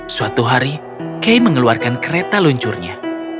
suatu hari kay mengeluarkan kereta luncurnya